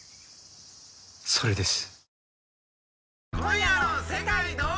それです。